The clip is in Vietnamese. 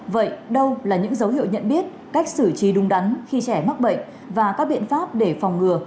vậy đâu là những dấu hiệu nhận biết cách xử trí đúng đắn khi trẻ mắc bệnh và các biện pháp để phòng ngừa